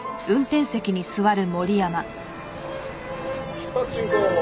出発進行。